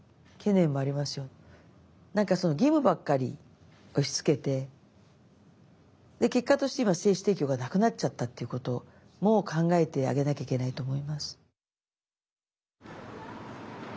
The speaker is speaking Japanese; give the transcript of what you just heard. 何かその義務ばっかり押しつけて結果として今精子提供がなくなっちゃったっていうことも考えてあげなきゃいけないと思います。